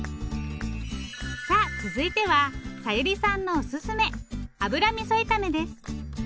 さあ続いては小百合さんのおすすめ油みそ炒めです。